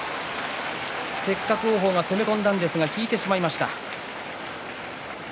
せっかく王鵬が攻め込んだんですが引いてしまいました。